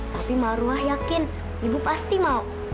tapi marwah yakin ibu pasti mau